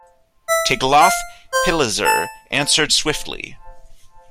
Tiglath-Pileser answered swiftly.